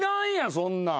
そんなん。